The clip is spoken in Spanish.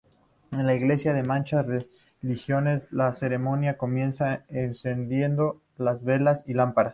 En las iglesias de muchas religiones, la ceremonia comienza encendiendo las velas y lámparas.